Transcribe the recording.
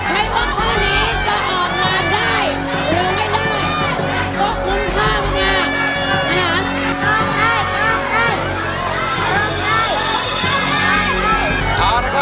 ไม่ว่าข้อนี้จะออกงานได้หรือไม่ได้ก็คุ้มค่ามากนะฮะ